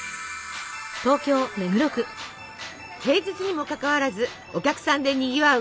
平日にもかかわらずお客さんでにぎわう